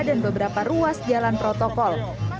dan beberapa ruas jalan protokol